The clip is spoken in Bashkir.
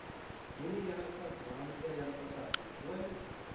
Мине яратҡас, баламды ла яратасаҡһың, шулаймы?